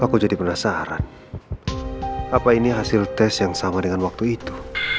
aku jadi penasaran apa ini hasil tes yang sama dengan waktu itu